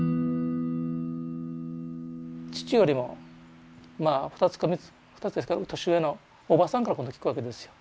父よりもまあ２つか３つ２つですか年上のおばさんから今度聞くわけですよ。